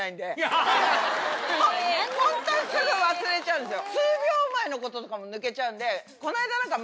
ホントにすぐ忘れちゃうんですよ。